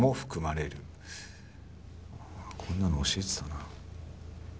こんなの教えてたな。